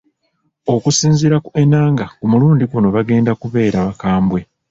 Okusinziira ku Enanga ku mulundi guno bagenda kubeera bakambwe.